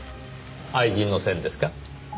愛人の線ですか？